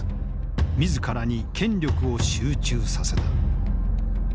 自らに権力を集中させた。